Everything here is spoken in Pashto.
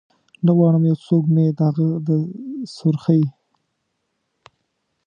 نه غواړم یو څوک مې د هغه د سرخۍ